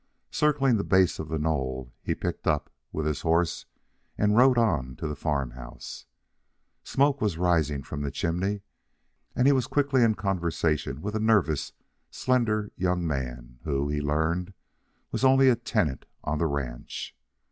Circling the base of the knoll, he picked up with his horse and rode on to the farm house. Smoke was rising from the chimney and he was quickly in conversation with a nervous, slender young man, who, he learned, was only a tenant on the ranch.